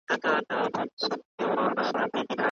ښاري ژوند له کليوالي ژوند سره توپير لري.